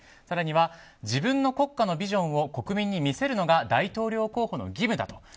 更には自分の国家のビジョンを国民に見せるのが大統領候補の義務だと。